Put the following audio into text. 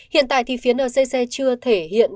hiện tại thì phía ncc chưa thể hiện